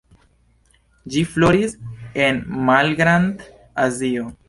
Ĝi floris en Malgrand-Azio.